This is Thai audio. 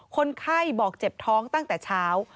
คนไข้บอกเจ็บท้องตั้งแต่เช้า